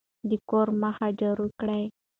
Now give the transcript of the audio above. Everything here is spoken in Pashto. د کور مخه جارو کړئ.